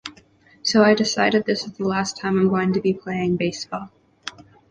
So I decided this is the last time I'm going to be playing baseball.